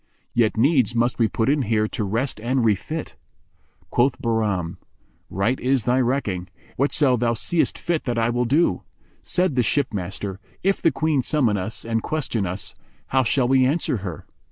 Yet needs must we put in here to rest and refit." Quoth Bahram, "Right is thy recking, and whatso thou seest fit that will I do!" Said the ship master, "If the Queen summon us and question us, how shall we answer her?"